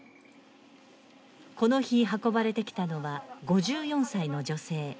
この日運ばれてきたのは、５４歳の女性。